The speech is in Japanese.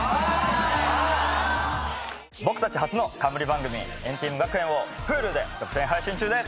僕たち初の冠番組『＆ＴＥＡＭ学園』をＨｕｌｕで独占配信中です！